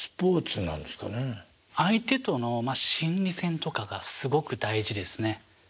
相手とのまあ心理戦とかがすごく大事ですね。